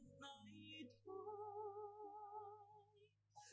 khi mà có người thân thề